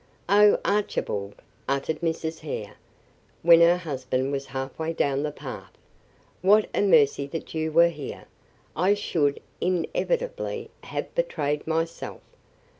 "Oh, Archibald!" uttered Mrs. Hare, when her husband was half way down the path, "what a mercy that you were here! I should inevitably have betrayed myself."